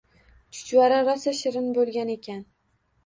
Chuchvara rosa shirin bo’lgan ekan.